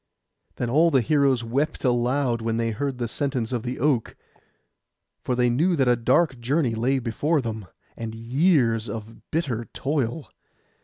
Then all the heroes wept aloud when they heard the sentence of the oak; for they knew that a dark journey lay before them, and years of bitter toil.